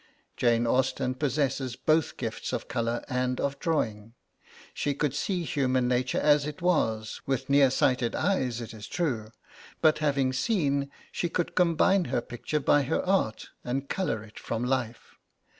Jane Austen possessed both gifts of colour and of drawing. She could see human nature as it was; with near sighted eyes, it is true; but having seen, she could combine her picture by her art, and colour it from life.